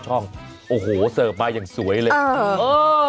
โอ้โหเสิร์ฟมาอย่างสวยเลย